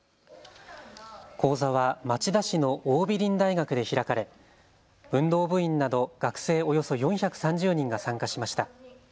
講座は町田市の桜美林大学で開かれ、運動部員など学生およそ４３０人が参加しました。